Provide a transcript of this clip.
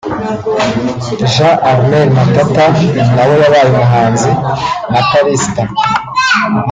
Jean-Armel Matata (nawe yabaye umuhanzi) na Kallista